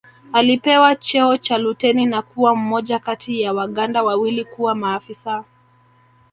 Alipewa cheo cha luteni na kuwa mmoja kati wa Waganda wawili kuwa maafisa